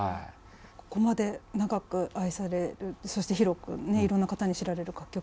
ここまで長く愛されるそして広くねいろんな方に知られる楽曲になる。